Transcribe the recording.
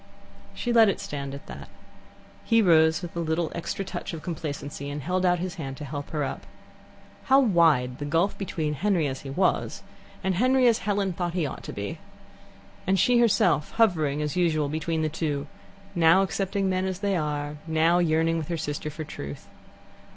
She let it stand at that. He rose with a little extra touch of complacency, and held out his hand to help her up. How wide the gulf between Henry as he was and Henry as Helen thought he ought to be! And she herself hovering as usual between the two, now accepting men as they are, now yearning with her sister for Truth.